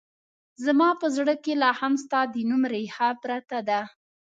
زما په زړه کې لا هم ستا د نوم رېښه پرته ده